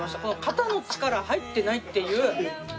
肩の力が入ってないっていう。